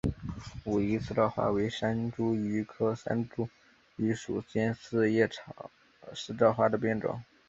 武夷四照花为山茱萸科山茱萸属尖叶四照花的变种。